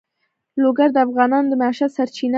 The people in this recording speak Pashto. لوگر د افغانانو د معیشت سرچینه ده.